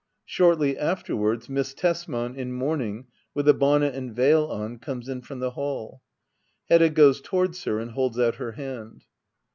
Shortly afterwards. Miss Tesman^ in mourning, with a bonnet and veil on, comes in from the hall. Hedda goes towards her and holds out her hand.